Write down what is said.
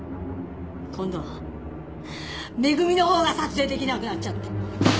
今度は恵のほうが撮影できなくなっちゃって。